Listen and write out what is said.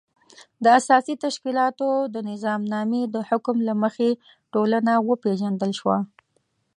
د اساسي تشکیلاتو د نظامنامې د حکم له مخې ټولنه وپېژندل شوه.